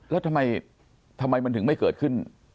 แล้วทำไมมันถึงไม่เกิดขึ้น